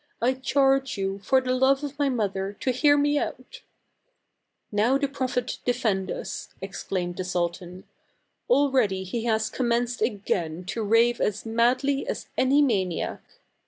I charge you, for the love of my mother, to hear me out !"" Now the Prophet defend us !" exclaimed the sultan ;" already he has commenced again to rave as madly as any maniac."